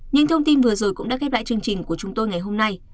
những thông tin vừa rồi cũng đã khép lại chương trình của chúng tôi ngày hôm nay